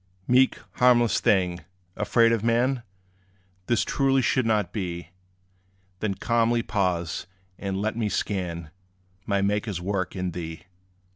Meek, harmless thing, afraid of man? This truly should not be. Then calmly pause, and let me scan My Maker's work in thee.